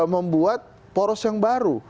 membuat poros yang baru